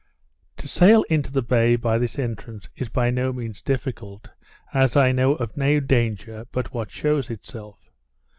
To sail into the bay by this entrance is by no means difficult, as I know of no danger but what shews itself.